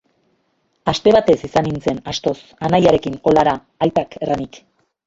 Aste batez izan nintzen, astoz, anaiarekin olara, aitak erranik.